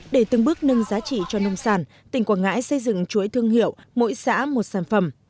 để từng bước nâng giá trị cho nông sản tỉnh quảng ngãi xây dựng chuỗi thương hiệu mỗi xã một sản phẩm